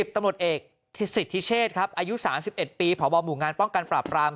ตำรวจเอกสิทธิเชษครับอายุ๓๑ปีพบหมู่งานป้องกันปราบราม